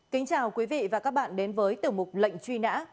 kính chào quý vị và các bạn đến với tiểu mục lệnh truy nã